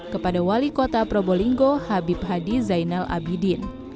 kepada wali kota probolinggo habib hadi zainal abidin